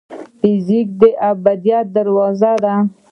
فزیک د ابدیت دروازه ده.